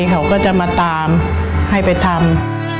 เขาก็จะมาตามให้ไปทำ